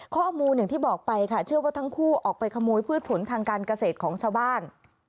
ข้อมูลอย่างที่บอกไปค่ะเชื่อว่าทั้งคู่ออกไปขโมยพืชผลทางการเกษตรของชาวบ้าน